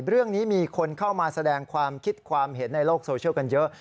เรื่องนี้มีคนเข้ามาแสดงความคิดความเห็นในโลกโซเชียลกันเยอะ